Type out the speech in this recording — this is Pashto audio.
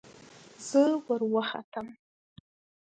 زه وروختم.